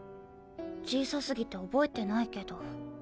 小さすぎて覚えてないけど。